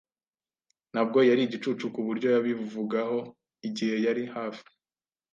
Ntabwo yari igicucu kuburyo yabivugaho igihe yari hafi.